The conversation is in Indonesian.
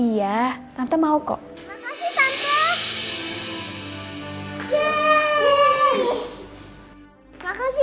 yeay tante bella akan kerja di kantor papa